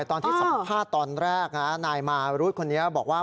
ตอนที่สัมภาษณ์ตอนแรกนะนายมารุธคนนี้บอกว่า